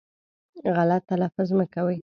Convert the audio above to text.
غلط تلفظ مه کوی